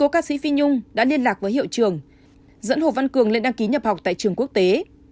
một ca sĩ phi nhung đã liên lạc với hiệu trường dẫn hồ văn cường lên đăng ký nhập học tại trường quốc tế